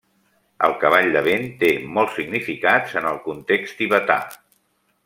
El cavall de vent té molts significats en el context tibetà.